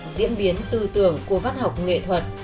diễn biến tư tưởng của văn học nghệ thuật